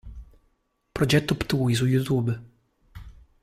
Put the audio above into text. Progetto Ptuj su YouTube